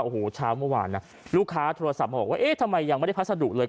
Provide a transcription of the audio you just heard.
โอ้โหเช้าเมื่อวานนะลูกค้าโทรศัพท์มาบอกว่าเอ๊ะทำไมยังไม่ได้พัสดุเลย